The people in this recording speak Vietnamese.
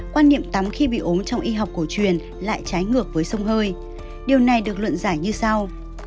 quan niệm tắm khi bị ốm trong y học cổ truyền lại trái ngược với sông hơi điều này được luận giải như sau